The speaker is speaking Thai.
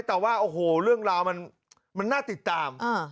แต่ว่าโอ้โหเรื่องราวมันน่าติดตาม